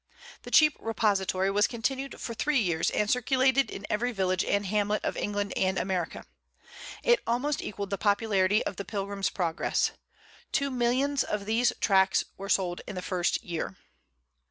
The "Cheap Repository" was continued for three years, and circulated in every village and hamlet of England and America. It almost equalled the popularity of the "Pilgrim's Progress." Two millions of these tracts were sold in the first year.